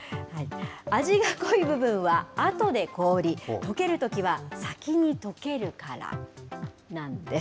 味が濃い部分はあとで凍り、とけるときは先にとけるからなんです。